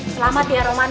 selamat ya roman ya